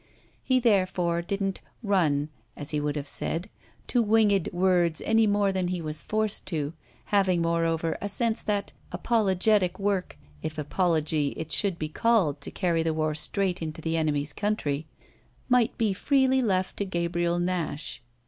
He therefore didn't "run," as he would have said, to winged words any more than he was forced to, having, moreover, a sense that apologetic work (if apology it should be called to carry the war straight into the enemy's country) might be freely left to Gabriel Nash.